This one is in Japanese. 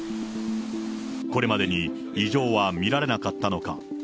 これまでに異常は見られなかったのか。